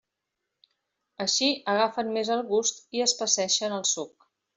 Així agafen més el gust i espesseixen el suc.